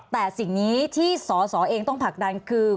แต่สิ่งนี้ที่สอสอเองต้องผลักดันคือ